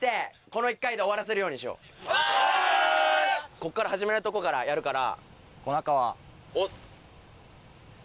こっから初めのとこからやるから。